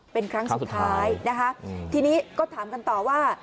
เป็นครั้งสุดท้ายนะคะทีนี้ก็ถามกันต่อว่า